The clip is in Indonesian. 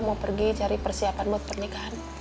mau pergi cari persiapan buat pernikahan